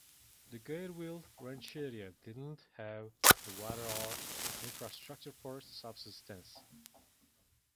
The Guidiville Rancheria did not have the water or infrastructure for subsistence.